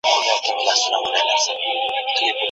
ولي زده کوونکي په مورنۍ ژبه کي فعال پاته کيږي؟